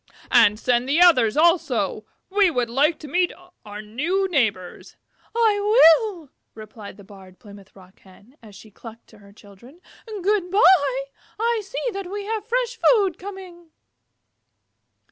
And send the others also. We would like to meet our new neighbors." "I will," replied the Barred Plymouth Rock Hen, as she clucked to her Chickens. "Good by. I see that we have fresh food coming."